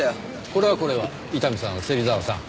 これはこれは伊丹さん芹沢さん。